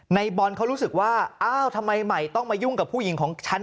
ในบอลเขารู้สึกว่าอ้าวทำไมใหม่ต้องมายุ่งกับผู้หญิงของฉัน